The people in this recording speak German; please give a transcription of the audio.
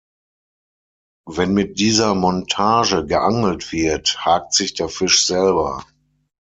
Wenn mit dieser Montage geangelt wird, hakt sich der Fisch selber.